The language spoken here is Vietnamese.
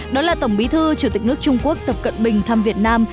đó là tổng bí thư chủ tịch nước trung quốc tập cận bình thăm việt nam